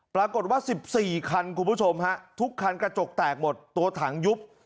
ปรากฏว่า๑๔คันคุณผู้ชมฮะทุกคันกระจกแตกหมดตัวถังยุบ